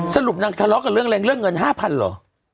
สรุปนั้นทะเลาะกันเรื่องอะไรเรื่องเงิน๕๐๐๐บาทเหรอ